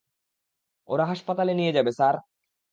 ওরা হাসপাতালে নিয়ে যাবে স্যার।